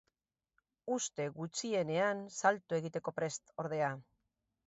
Uste gutxienean salto egiteko prest ordea.